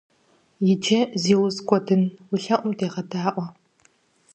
Иджы, зи уз кӀуэдын, уи лъэӀум дегъэдаӀуэ.